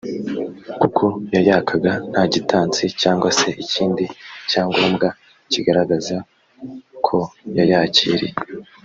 kuko yayakaga nta gitansi cyangwa se ikindi cyangombwa kigaragaza ko yayakiriye